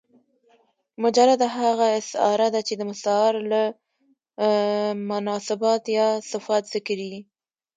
مجرده هغه استعاره ده، چي د مستعارله مناسبات یا صفات ذکر يي.